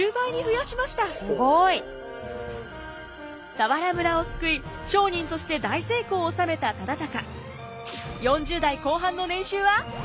佐原村を救い商人として大成功を収めた忠敬。